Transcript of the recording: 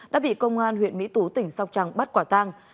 đã bị công an huyện mỹ tú tỉnh sóc trăng bắt quả tang